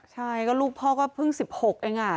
ใช่ก็ลูกพ่อก็เพิ่ง๑๖เอง